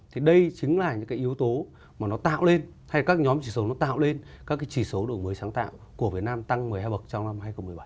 thì đây chính là những cái yếu tố mà nó tạo lên hay các nhóm chỉ số nó tạo lên các cái chỉ số đổi mới sáng tạo của việt nam tăng một mươi hai bậc trong năm hai nghìn một mươi bảy